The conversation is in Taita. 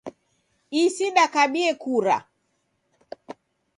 Isi dakabie kura